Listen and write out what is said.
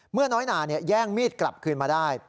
เมื่อน้อยนาแย่งมีดกลับคืนมาได้